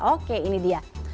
oke ini dia